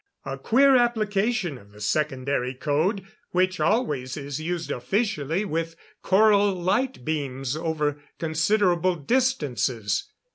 A queer application of the Secondary Code, which always is used officially with coral light beams over considerable distances.